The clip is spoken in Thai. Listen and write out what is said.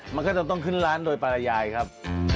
มันก็จะต้องขึ้นร้านโดยปรยายครับ